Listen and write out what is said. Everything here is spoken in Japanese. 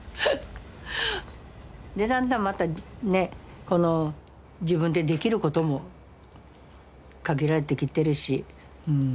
でだんだんまたね自分でできることも限られてきてるし。